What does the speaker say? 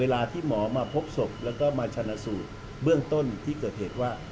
แล้วก็มาชนะสูตรเบื้องต้นที่เกิดเหตุว่า